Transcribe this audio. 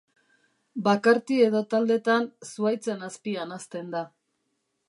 Bakarti edo taldetan, zuhaitzen azpian hazten da.